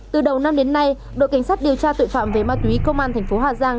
từ đầu năm đến nay đội cảnh sát điều tra tội phạm về ma túy công an thành phố hà giang